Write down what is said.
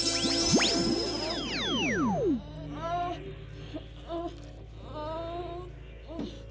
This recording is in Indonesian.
tetapi mes bisa memandu nyawanya